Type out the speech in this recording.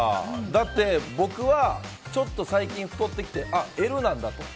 だって、僕はちょっと最近太ってきて、Ｌなんだと。